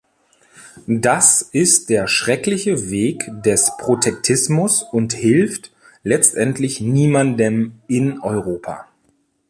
Das ist der schreckliche Weg des Protektionismus und hilft letztendlich niemandem in Europa.